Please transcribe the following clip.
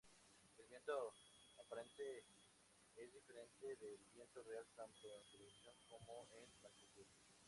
El viento aparente es diferente del viento real tanto en dirección como en magnitud.